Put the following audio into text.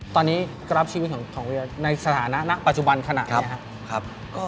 ตอนนี้กรับชีวิตของเวียในสถานะณปัจจุบันขนาดนี้ครับ